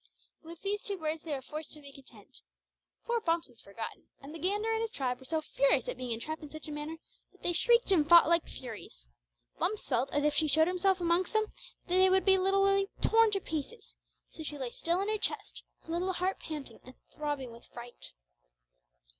With these two birds they were forced to be content. Poor Bumps was forgotten, and the gander and his tribe were so furious at being entrapped in such a manner, that they shrieked and fought like furies. Bumps felt if she showed herself amongst them she would literally be torn to pieces, so she lay still in her chest, her little heart panting and throbbing with fright.